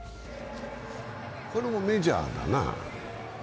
これもメジャーだな。